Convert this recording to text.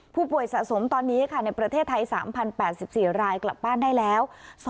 ผู้ป่วยสะสมตอนนี้ค่ะในประเทศไทย๓๐๘๔รายกลับบ้านได้แล้ว